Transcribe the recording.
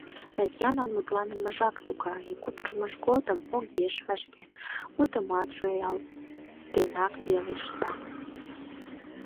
Татьянан мутланымыжак тугай, кутырымыж годым огеш вашке, мутымат шуялтенрак пелешта.